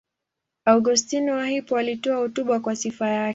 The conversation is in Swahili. Augustino wa Hippo alitoa hotuba kwa sifa yake.